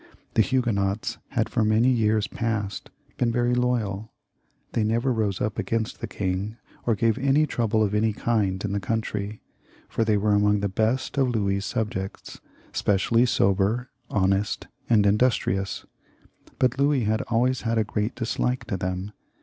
The Huguenots had for raany years past xtiv.] LOUIS XIV. 347 been very loyal ; they never rose up against the king or gave any trouble of any kind in the country ; and they were among the best of Louis's subjects, specially sober, honest, and industrious. But Louis had always had a great dislike to them.